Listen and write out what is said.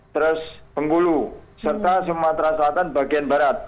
terus bengkulu serta sumatera selatan bagian barat